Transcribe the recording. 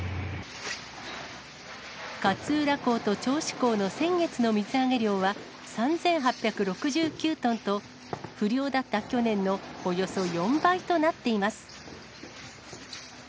勝浦港と銚子港の先月の水揚げ量は３８６９トンと、不漁だった去年のおよそ４倍となっています。